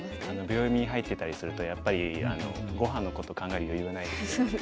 秒読みに入っていたりするとやっぱりごはんのこと考える余裕はないですよね。